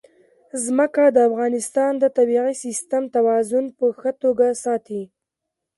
ځمکه د افغانستان د طبعي سیسټم توازن په ښه توګه ساتي.